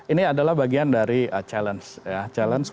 ini adalah bagian dari challenge